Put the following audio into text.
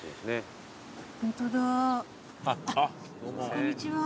こんにちは。